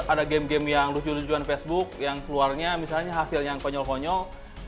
ada game game yang lucu lucuan facebook yang keluarnya misalnya hasilnya yang konyol konyol